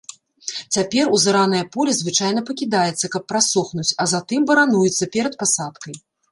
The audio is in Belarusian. Цяпер узаранае поле звычайна пакідаецца, каб прасохнуць, а затым барануецца перад пасадкай.